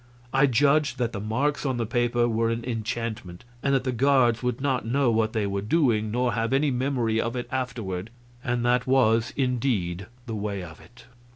I judged that the marks on the paper were an enchantment, and that the guards would not know what they were doing, nor have any memory of it afterward; and that was indeed the way of it.